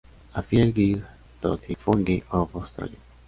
A field guide to the fungi of Australia.